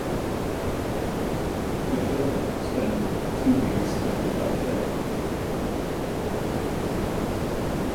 The film spent two weeks in the top ten.